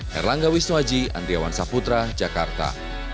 herlangga wisnuaji andriawan saputra jakarta